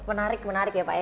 menarik menarik ya pak ya